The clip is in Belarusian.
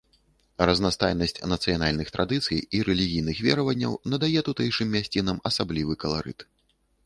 Разнастайнасць нацыянальных традыцый і рэлігійных вераванняў надае тутэйшым мясцінам асаблівы каларыт.